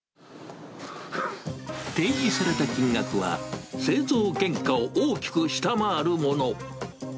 提示された金額は、製造原価を大きく下回るもの。